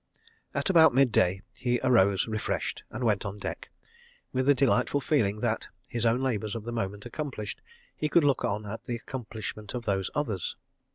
At about midday he arose refreshed, and went on deck, with the delightful feeling that, his own labours of the moment accomplished, he could look on at the accomplishment of those of others.